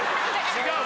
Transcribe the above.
違う？